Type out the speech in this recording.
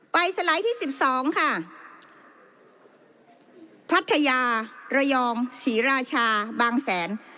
สไลด์ที่สิบสองค่ะพัทยาระยองศรีราชาบางแสน